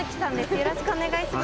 よろしくお願いします。